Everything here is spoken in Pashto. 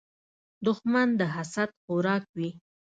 دښمن د حسد خوراک وي